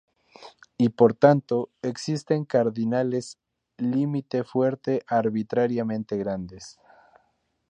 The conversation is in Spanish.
Y por tanto, existen cardinales límite fuerte arbitrariamente grandes.